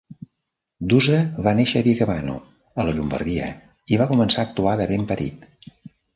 Duse va néixer a Vigevano, a la Llombardia, i va començar a actuar de ben petit.